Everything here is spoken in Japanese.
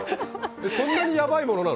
そんなにヤバいものなの？